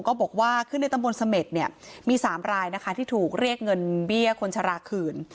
ก็บอกว่าคือในตำบลเสม็ดเนี่ยมี๓รายนะคะที่ถูกเรียกเงินเบี้ยคนชะลาคืน